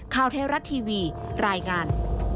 ข้าวเทราะทีวีรายงาน